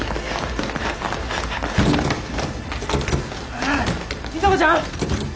うぅ里紗子ちゃん！